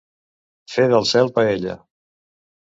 Fer del cel paella.